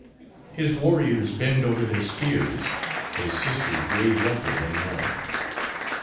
His warriors bend over their spears, His sisters gaze upward and mourn.